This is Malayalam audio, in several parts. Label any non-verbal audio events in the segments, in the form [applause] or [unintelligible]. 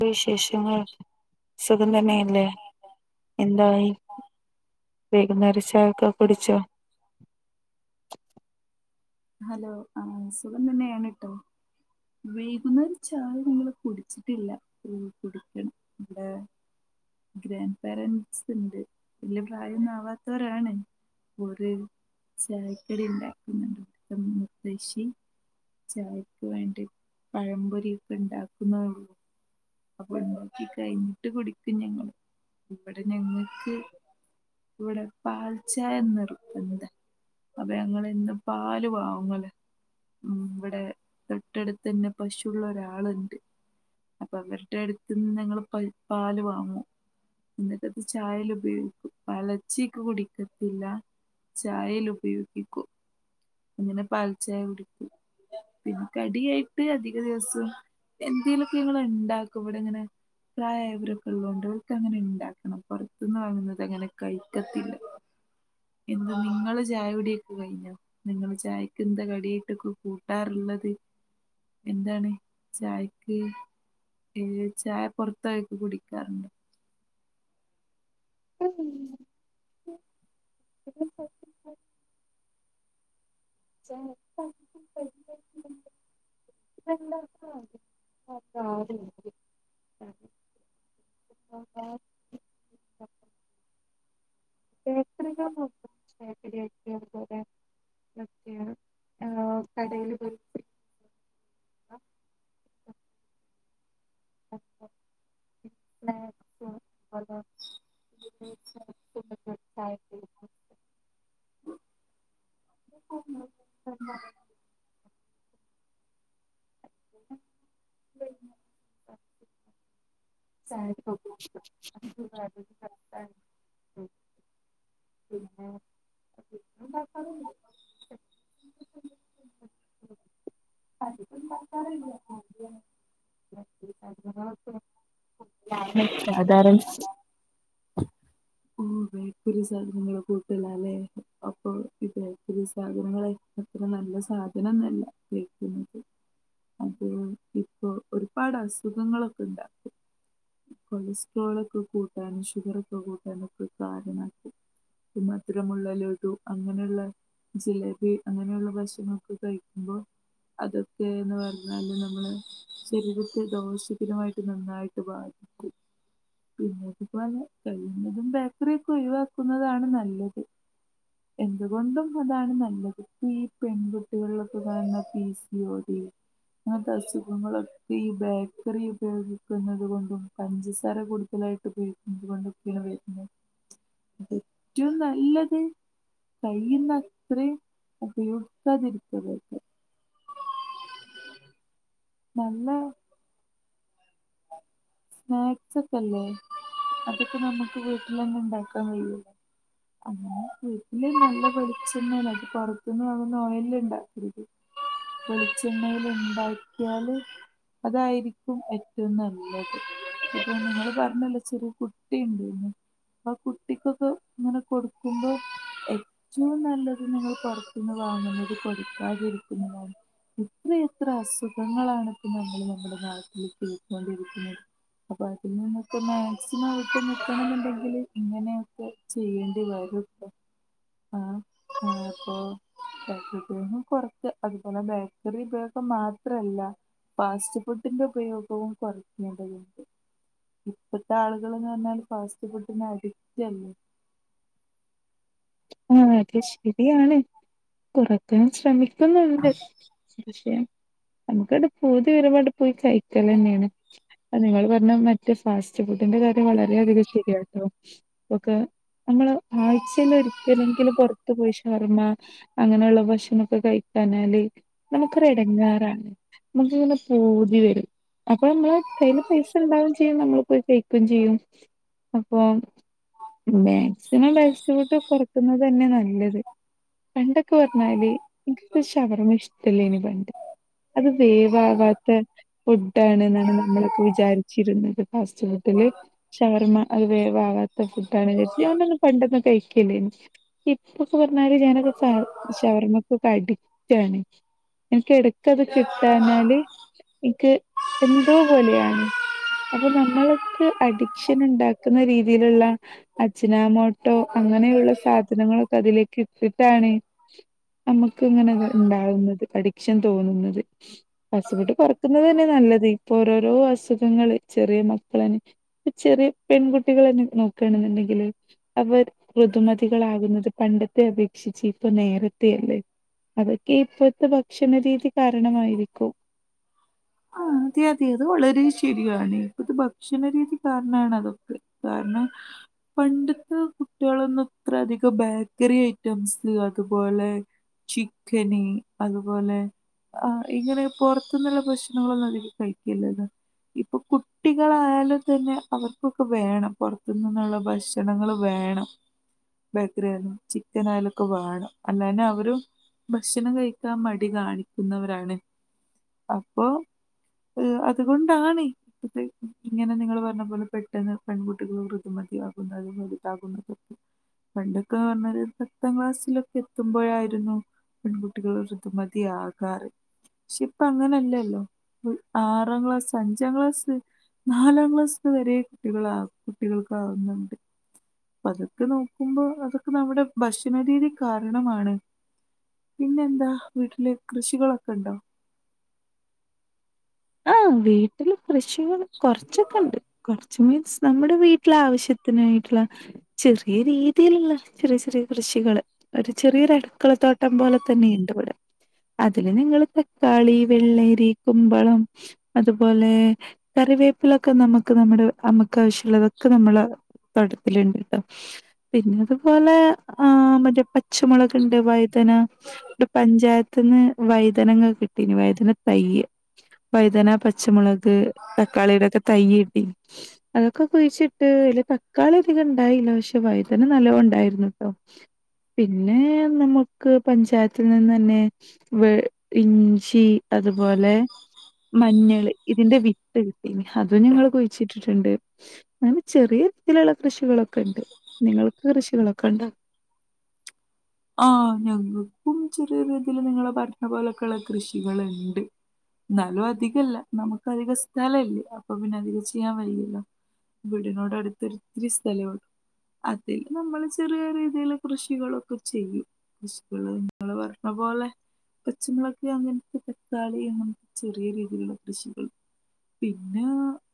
വിശേഷങ്ങൾ സുഖം തന്നെയല്ലേ എന്തായി വൈകുന്നേര ചായ ക്കെ കുടിച്ചോ ഹലോ ആ സുഖം തന്നെയാണ് കേട്ടോ വേകുന്ന ഒരു ചായ നിങ്ങള് കുടിച്ചിട്ടില്ല കുടിക്കണം ഇമ്മടെ ഗ്രാൻഡ പാരൻസ് ഉണ്ട് വലിയ പ്രായൊന്നാവാത്തവരാണ് ഒരു ചായക്കടി ഉണ്ടാക്കുന്നുണ്ട് മുത്തശി ചായക്ക് വേണ്ടി പഴംപൊരി ഒക്കെ ഉണ്ടാക്കുന്ന അപ്പൊ ഉണ്ടാക്കി കഴിഞ്ഞിട്ട് കുടിക്കും ഞങ്ങള് ഇവിടെ ഞങ്ങക്ക് ഇവിടെ പാൽച്ചായന നിർബന്തമ എന്താ അപ്പൊ ഞങ്ങ എന്താ പാല് വാവങ്ങള ഉ ഇവിടെ തൊട്ടടുത്ത്ന്നെ പശുള്ള ഒരാളുണ്ട് [unintelligible] അടുത്ത്ന്ന് ഞങ്ങള്ൾ പ പാൽ വാങ്ങും എന്നിട്ട അത് ചായൽ ഉപയോഗിക്കും പലച്ചി കുടിക്കത്തില്ല ചായൽ ഉപയോഗിക്കൂ അങ്ങനെ പാൽ ചായ കുടിക്കും പിന്നെ കടിയായിട്ട് അധിക ദിവസം എന്തെിലൊക്കെ ഞങ്ങള് ഇണ്ട ഉണ്ടാക്കുമ്പോടെ ഇങ്ങനെ പ്രായവർ കള്ളൊണ്ടവക്ക അങ്ങനെ ഉണ്ടാക്കണം പുറത്തുന്ന് വാങ്ങുന്നത് അങ്ങനെ കഴിക്കത്തില്ല എന്താ നിങ്ങള് ചായവിടിയൊക്കെ കഴിഞ്ഞ നിങ്ങൾ ചായക്ക് എന്താ കടിയിട്ടക്ക കൂട്ടാറുള്ളത് എന്താണ് ചായക്ക് ഏ ചായ പൊറത്തായിക്ക കുടിക്കാറുണ്ട് ഉ ഉ [unintelligible] എത്ര പോ വക്ക [unintelligible] ആ കടെൽ പോ ആ ഉ [unintelligible] ഉ ഉ [unintelligible] ഉ പിന്നെ അതുണ്ടാക്കാറുണ്ട്. [unintelligible] അധികം അത്റ [unintelligible] ക്ക [unintelligible] സാധാരണ ഓ വേപ്പൂരി സാധനങ്ങളെ കൂട്ടല അല്ലേ അപ്പൊ വൽക്കരി സാധനങ്ങായിക്കത്ര നല്ല സാധന എന്നല്ല വയ്ക്കുന്നത് അത് ഇപ്പോ ഒരു ഒരു പാട് അസുഖങ്ങളൊക്കെ ഉണ്ടാക്കും കൊളസ്ട്രോളൊക്കെ കൂട്ടാനും ഷുഗറൊക്കെ കൂട്ടാനൊക്കെ കാരണമാക്കും മധുരമുള്ള ലഡു അങ്ങനെയുള്ള ജിലേബി അങ്ങനെയുള്ള ഭക്ഷണക്കെ കഴിക്കുമ്പോൾ അതൊക്കെന്ന് പറഞ്ഞാല് നമ്മള് ശരീരത്തി ദോഷത്തിനുമായിട്ട് നന്നായിട്ട് ബാധിക്കും ഉ അപെെ [unintelligible] എന്നതും ബേക്കറിക്കെ ഒഴിവാക്കുന്നതാണ് നല്ലത് എന്തുകൊണ്ടും അതാണ് നല്ലത് പ്പ ഈ പെൺകുട്ടികളിലൊക്കെ വരണ പിസി ഓടി അങ്ങനത്തെ അസുഖങ്ങളൊ ഈ ബേക്കറി ഉപയോഗിക്കുന്നത് കൊണ്ടും പഞ്ചസാര കൂടുതലായിട്ട് ഉപയോഗിക്കുന്നത് കൊണ്ടൊക്കെയാണ് വരുന്നത് ഏറ്റവും നല്ലത് കൈന്നത്ര അപ്പ ഉടുത്താതിരിരിക്ക നല്ല സ്നാക്സ് ഒക്കെല്ലേ അതൊക്കെ നമുക്ക് വീട്ടിലന്നെ ഇണ്ടാക്കാൻ കഴിയൂലെ അങ്ങനെ വീ [unintelligible] നല്ല വെളിച്ചെണ്ണേണ് എട്ക്കാറ് ഇത് ന്ന് പറയുന്ന് ഓയിൽ ല് ഇണ്ടാക്കീത് വെളിച്ചെണ്ണേല് ഇണ്ടാക്കിയാല് അതായിരിക്കും ഏ റ്റവും നല്ലത് ഇപ്പൊ നിങ്ങള് പറഞ്ഞല്ലൊ ചെറിയ കുട്ടി ഇണ്ട് ന്ന് ആ കുട്ടിക്കൊക്കെ ഇങ്ങനെ കൊടുക്കുമ്പോ ഏറ്റുവും നല്ലത് നിങ്ങള് പൊറത്ത്ന്ന് വാങ്ങ്ന്നത് കൊടുക്കാതിരിക്കുന്നാണ് എത്രയത്ര അസുഖങ്ങളാണ് ഇപ്പ നമ്മള് നമ്മളെ നാട്ടില് [inaudible] രിക്കുന്നത് അപ്പൊ അതിൽ നിന്നൊക്കെ മാക്സിമം വിട്ട് നിക്കണം എന്നുണ്ടെങ്കില് ഇങ്ങനെയൊക്കെ ചെയ്യെണ്ടി വരും ട്ടൊ ആ അപ്പോ [unintelligible] കുറക്ക അതുപോലെ ബേക്കറി ഉപയോഗം മാത്രല്ല ഫാസ്റ്റ് ഫുഡിന്റെ ഉപയോഗവും കുറയ്ക്കേണ്ടതുണ്ട് ഇപ്പഴത്തെ ആളുകള്ന്ന് പറഞ്ഞാല് ഫാസ് റ്റ് ഫുഡിനഡിക്റ്റല്ലേ ആ അത് ശരിയാണ് കൊറക്കാൻ ശ്രമി ക്കുന്നുണ്ട് പക്ഷേ നമുക്കണ്ട് പൂതി വരുമ്പാണ്ട് പോയി കയിക്കലെന്നേണ് ഇപ്പ നിങ്ങള് പറഞ്ഞ മറ്റേ ഫാസ്റ്റ് ഫുഡിന്റെ കാര്യം വളരെയധികം ശരിയാട്ടോ. ഇപ്പൊക്കെ നമ്മള് ആഴ്ചയിൽ ഒരി ക്കലെങ്കിലും പൊറത്ത്പോയി ഷവർമ അങ്ങനെയുള്ള ഭക്ഷണക്കെ കഴിക്കാനാല് നമുക്കൊരു എടങ്ങേറാണ് മുക്കിങ്ങനെ പൂതി വരും അപ്പൊ നമ്മളെ കയ്യില് പൈസ ഇണ്ടാവും ച് യ്യും നമ്മള് പോയി കഴിക്കും ചിയ്യും. അപ്പൊ പ മാക്സിമം പൈസ ഒക്കെ കൊറ തിന്നതന്നെ നല്ലത് പണ്ടൊക്കെ പറഞ്ഞാല് ഇൻകൊക്കെ ഷവർമ്മ ഇഷ്ടല്ലേനി പണ്ട് അത് വേവാവാത്ത ഫുഡ് ആണ്ന്നാണ് നമ്മളൊക്കെ വിചാരിച്ചിരുന്ന് ഫാസ്റ്റ് ഫുഡില് ഷവർമ അത് വേവ് വാവാ ത്ത ഫുഡാണ് ന്ന് ചരിച്ച് ഞാനൊന്നും പണ്ടൊന്നും കൈക്ക് കില്ലേനു ഇപ്പൊ ഒക്കെ പറഞ്ഞാല് ഞാനൊക്കെ ഷവർമക്കൊക്കെ അടിക്റ്റാണ് എനിക്ക് എട ക്കത് കിട്ടാഞ്ഞാല് ഇക്ക് എന്തോ പോലെയാണ് അപ്പൊ നമ്മള്ക്ക് അഡിക്ഷൻ ഇണ്ടാക്കുന്ന രീതിയില്ള്ള അജ്നാമോട്ടോ അങ്ങനെയുള്ള സാ ധനങ്ങളൊക്കെ അതിലേക്ക് ഇട്ടിട്ടാണ് നമുക്ക് ഇങ്ങനെ ഇണ്ടാവുന്നത് അഡിക്ഷൻ തോന്നുന്നത് ഫാസ്റ്റ് ഫുഡ് കൊറക്കുന്നതന്നെ നല്ലത് ഇപ്പൊ ഓരോരോ അസുഖങ്ങള് ചെറിയ മക്കളെന്നെ ചെറിയ പെൺകുട്ടികളെന്നെ ഇപ്പൊ നോക്കാണ് ന്ന്ണ്ടെങ്കില് അവർ ഋതുമതി കളാകുന്നത് പണ്ടത്തെ അപേക്ഷിച്ച് ഇപ്പൊ നേരത്തെ അല്ലേ അതൊക്കെ ഇപ്പോഴ്ത്തെ ഭക്ഷണ രീതി കാരണമായിരിക്കും ആ അതെ അതെ അത് വളരെ ശരിയാണെ ഇപ്പത്തെ ഭക്ഷണരീതി കാരണാണ് ഇതൊക്കെ കാരണം പണ്ടത്തെ കുട്ടികളൊന്നും ഇത്ര അധികം ബേക്കറി ഐറ്റംസ് അതുപോലെ ചിക്കന് അതുപോലെ ആ ഇങ്ങനെ പൊറത്ത്ന്ന്ള്ള ഭക്ഷ് ണങ്ങളൊന്നും അധികം കഴിക്കലില്ലല്ലോ ഇപ്പൊ കു കുട്ടികളായാലും തന്നെ അവർ ഒക്കെ വേണം പുറത്തു നിന്നുള്ള ഭക്ഷണങ്ങളും വേണം ബേക്കറി ആയാലും ചിക്കൻ ആയാലും വേണം അല്ലാഞ്ഞാ അവരും ഭക്ഷണം കഴിക്കാൻ മടി കാണിക്കുന്നവരാണ് അപ്പൊ അതുകൊണ്ടാണ് ഇ ഇങ്ങനെ നിങ്ങൾ പറഞ്ഞ പോലെ പെട്ടെന്ന് പെൺകുട്ടികൾ ഋതുമതിയാകുന്നതും വലുതാകുന്നതും പണ്ടൊക്കെ പറഞ്ഞാൽ പത്താം ക്ലാസ്സിലൊക്കെ എത്തുമ്പോഴായിരുന്നു പെൺകുട്ടികൾ ഋതുമതിയാകാറ് പക്ഷെ ഇപ്പ അങ്ങനല്ല [unintelligible] ആറാം ക്ലാസ് അഞ്ചാം ക്ലാസ്സ് നാലാം ക്ലാസ് വരെ കുട്ടികളാ കുട്ടികൾക്ക് ആവുന്നുണ്ട് പതുക്കെ നോ ക്കുമ്പോ അതൊക്കെ നമ്മുടെ ഭക്ഷണ രീതി കാരണമാണ്. പിന്നെന്താ വീട്ട്ല് കൃഷികളൊക്കണ്ടോ? ആ വീട്ട്ല് കൃഷികൾ കൊറച്ചൊക്കണ്ട്. കൊർ കൃഷി മീൻസ് നമ്മുടെ വീട്ടിലെ ആവശ്യത്തിനായിട്ടുള്ള ചെറിയ രീതിയിലുള്ള ചെറിയ ചെറിയ കൃഷികള് ഒരു ചെറിയൊരു അടുക്കള തോട്ടം പോലെ തന്നെ ഇണ്ടിവിടെ. അതില് നിങ്ങള് തക്കാളി, വെള്ളരി, കുമ്പളം അതുപോലെ കറിവേപ്പിലൊക്കെ നമുക്ക് നമ്മുടെ അമ്മക്ക് ആവശ്യമുള്ളതൊക്കെ നമ്മളെ തോട്ടത്തില്ണ്ട് ട്ടോ പിന്നതുപോലെ ആ മറ്റേ പച്ചമുളക് ണ്ട് വഴുതന ണ്ട് പഞ്ചായത്ത് ത്ത്ന്ന് വൈതനങ്ങ കിട്ടീനി വൈതന തയ്യ് വൈതന, പച്ചമുള ക് തക്കാളിയുടെയൊക്കെ തയ്യ് പിൻ അതൊക്ക കുയിച്ചിട്ട് അയില് തക്കാളി ധികം ഇണ്ടായില്ല പക്ഷെ വൈതന നല്ലോം ഉണ്ടായിരുന്നു ട്ടോ. പിന്നെ നമുക്ക് പഞ്ചായത്ത് നിന്ന് തന്നെ വെ ഇഞ്ചി അതുപോലെ മഞ്ഞള് ഇതിന്റെ വിത്ത് കിട്ടീനി അതും ഞങ്ങള് കുഴിച്ചിട്ടിട്ടുണ്ട്. അങ്ങനെ ചെറിയ രീതിയിലുള്ള കൃഷികളൊക്കെ ഉണ്ട് നിങ്ങൾക്ക് കൃഷികളൊ ക്കണ്ടോ ആ ഞങ്ങക്കും ചെറിയ രീതിയിൽ നിങ്ങള് പറഞ്ഞ പോലൊക്കെള്ള കൃഷികള്ണ്ട്. എന്നാലും അധികല്ല നമുക്ക് അധിക സ്ഥലല്ല അപ്പൊ പിന്നെ അധികം ചെയ്യാൻ വയ്യല്ലോ. വീടിനോട് അടുത്തൊരിത്തിരി സ്ഥലോണ്ട് അതില് നമ്മള് ചെറിയ രീതിയിൽ കൃഷികളൊ ക്കെ ചെയ്യും. കൃഷികള് നിങ്ങള് പറഞ്ഞ പോലെ പച്ചമുളക് അങ്ങനത്തെ തക്കാളി അങ്ങനെ ചെറിയ രീതി യിലുള്ള കൃഷികൾ. പിന്നെ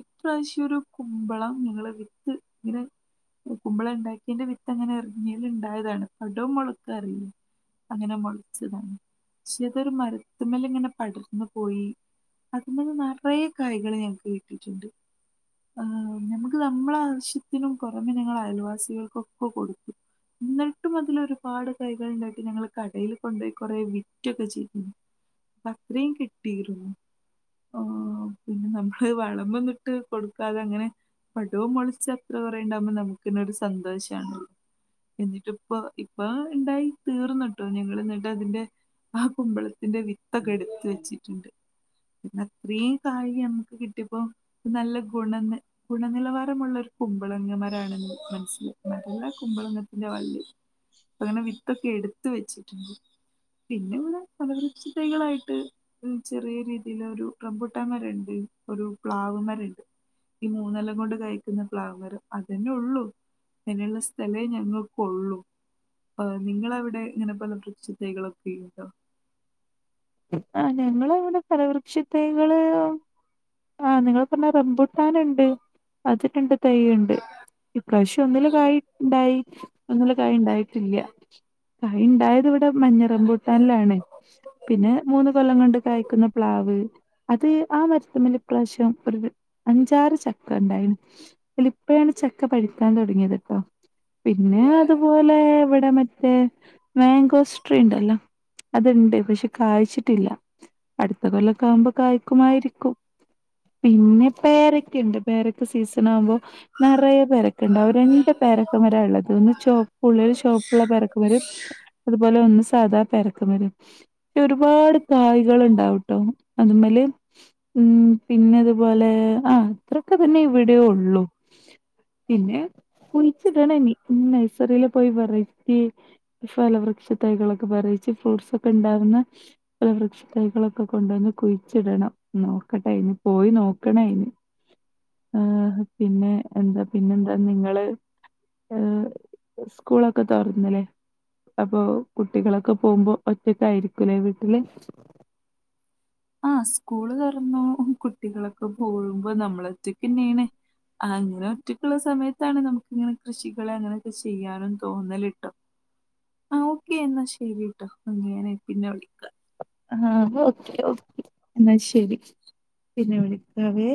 ഇപ്രാവശ്യം ഒരു കുമ്പളം നിങ്ങള് വിത്ത് ഇങ്ങനെ കുമ്പളം ഉണ്ടാക്കിയന്റെ വിത്ത് അങ്ങനെ എറിഞ്ഞേല് ഇണ്ടായതാണ്. പടോം മുളക്കാറില്ലെ അങ്ങനെ മുളച്ചതാണ്. പക്ഷേ അതൊരു മരത്തുമേൽ ഇങ്ങനെ പടർന്നു പോയി അതിമന്ന് നിറയ കായ്കൾ ഞങ്ങക്ക് കിട്ടിട്ടുണ്ട്. നമക്ക് നമ്മള ആവശ്യത്തിനും പുറമേ ഞങ്ങൾ അയൽവാസികൾക്കൊക്കെ കൊടുത്തു. എന്നി ട്ടും അതിൽ ഒരുപാട് കായ്കൾ ഉണ്ടായിട്ട് ഞങ്ങള് കടയിൽ കൊണ്ടു കുറേ വിറ്റൊക്കെ ചെയ്തിനു. അത്രയും കിട്ടിയിരുന്നു. ആ പിന്നെ നമ്മള് വളമ ഒന്നിട്ട് കൊടുക്ക അപ്പ അതങ്ങനെ പടോം മുളച്ച് അത്ര കുറേ ഉണ്ടാകുമ്പോ നമുക്കന്നെ ഒരു സന്തോഷാണല്ലോ എന്നിട്ട് ഇപ്പ ഇപ്പൊ ഉണ്ടായി തീർന്ന്ട്ടോ ഞങ്ങൾ എന്നിട്ട് അതിന്റെ ആ കുമ്പള ത്തിന്റെ വിത്തൊക്കെ എടുത്ത് വെച്ചിട്ടുണ്ട്. പിന്ന ത്രീം കായ് നമുക്ക് കിട്ടിയപ്പം നല്ല ഗുണനി ഗുണനിലവാരമുള്ള ഒരു കുമ്പളങ്ങമരാണെന്ന് മനസ്സിലായി മരല്ല കുമ്പളങ്ങത്തിന്റെ വള്ളി. അങ്ങനെ വിത്തൊക്കെ എടുത്ത് വെച്ച് പിന്നെ ഇവിടെ ഫലവൃക്ഷ തൈകളായിട്ട് മ് ചെറിയ രീതിൽ ഒരു റമ്പൂട്ടാൻ മരണ്ട്, ഒരു പ്ലാവ് മരണ്ട് ഈ മൂന്നെല്ലം കൊണ്ട് കഴിക്കുന്ന പ്ലാവ് മരം അതന്നെ ഉള്ളൂ അതിനുള്ള സ്ഥലേ ഞങ്ങക്കൊള്ളു. ആ നിങ്ങളവിടെ ഇങ്ങനെ പലവൃക്ഷ തൈകളൊക്കെ ഉണ്ടോ? ആ ഞങ്ങങ്ങളവിടെ ഫലവൃക്ഷത്തകള് ആ നിങ്ങള് പറഞ്ഞ റമ്പൂട്ടാൻ ഇണ്ട്, അതിരണ്ട് തയ്യുണ്ട്, ഇപ്രാവശ്യം ഒന്നില് കായി ഇണ്ടായി, ഒന്നില് കായി ഇണ്ടായിട്ടില്ല. കായിണ്ടായതിവിടെ [unintelligible] മഞ്ഞ റംമ്പൂട്ടാനിലാണ്. മൂന്ന് കൊല്ലം കൊണ്ട് കായ്ക്കുന്ന പ്ലാവ്. അത് ആ മരത്തമ്മല് ഇപ്രാവശ്യം ഒരു വ് അഞ്ചാറ് ചക്ക ഇണ്ടായിണ്, അതില് ഇപ്പഴാണ് ചക്ക പഴുക്കാൻ തുടങ്ങിയത് കേട്ടോ പിന്നെ അതുപോലെ ഇവിടെ മറ്റേ മാങ്കോസ്ട്രി ഇണ്ടല്ലോ അതിണ്ട്, [unintelligible] കായ്ച്ചിട്ടില്ല അടുത്ത കൊല്ലക്കവുമ്പോ കായ്ക്കുമായിരിക്കും, പിന്നെ പേരക്കിണ്ട്, പേരക്ക് സീസൺ ആവുമ്പോ നറയ പേരക്കുണ്ട് അവ രണ്ട് പേരക്ക മര ഇള്ളത്, ഒന്ന് ചുവപ്പുള്ളിൽ ചുവപ്പുള്ള പേരക്കുമര അതുപോലെ ഒന്ന് സാധാ പേരക്ക മരം പക്ഷെ ഒരുപാട് കായ്കൾ ഇണ്ടാവ്ട്ടോ അതുമല് മ് പിന്നെതുപോലെ ആ അത്രൊക്കെ തന്നെ ഇവിടെയേ ഉള്ളു. പിന്നെ കുഴിച്ചിടണ ഇനി നൈസറില് പോയി വെറൈറ്റി ഫലവൃക്ഷ തൈകളൊക്കെ വെറൈറ്റി ഫ്രൂട്ട്സ് ഒക്കെ ഉണ്ടാവ ഒന്ന്ല വൃക്ഷത്തൈകളൊക്കെ കൊണ്ടുവന്ന് കുഴിച്ചിടണം നോക്കട്ടെ ഇന് പോയി നോക്കണായിന് പിന്നെ എന്താ പിന്നെന്താ നിങ്ങള് ഏ സ്കൂളൊക്കെ തോറന്നല്ലേ അപ്പൊ കുട്ടികളൊക്കെ പോകുമ്പോൾ ഒറ്റക്കായിയിരിക്കും വീട്ട്ൽ ആ സ്കൂൾ തൊറന്നു കുട്ടികളൊക്കെ പോയുമ്പോ നമ്മൾ ഒറ്റക്ക് എന്നെയെണ് അങ്ങനെ ഒറ്റക്ക് ഇള്ള സമയത്താണ് നമുക്ക് ഇങ്ങനെ കൃഷികൾ അങ്ങനെയൊക്കെ ചെയ്യാനും തോന്നൽ ട്ടോ ആ ഓക്കെ എന്നാ ശരി ട്ടോ അങ്ങെനെ പിന്നെ വിളി ആവോ ഒക്കെ ഓക്കെ എന്നാ ശരി പിന്നെ വിളിക്കാവേ.